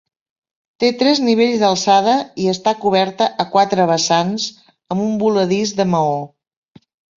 Té tres nivells d'alçada i està coberta a quatre vessants amb un voladís de maó.